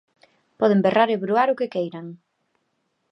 Poden berrar e bruar o que queiran.